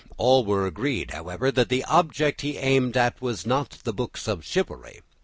All were agreed, however, that the object he aimed at was not the books of chivalry.